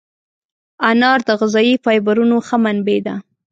انار د غذایي فایبرونو ښه منبع ده.